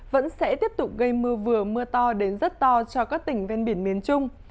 vẫn sẽ tiếp tục gây mưa vừa mưa to đến rất to cho các tỉnh ven biển miền trung